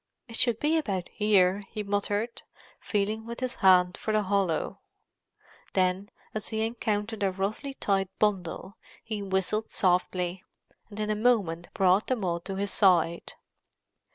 "It should be about here," he muttered, feeling with his hand for the hollow. Then, as he encountered a roughly tied bundle, he whistled softly, and in a moment brought them all to his side.